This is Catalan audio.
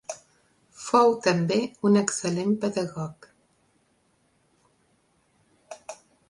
Fou també un excel·lent pedagog.